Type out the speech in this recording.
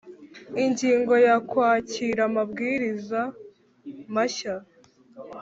Ingingo ya Kwakira amabwiriza mashya